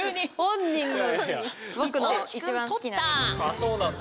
あそうなんだ。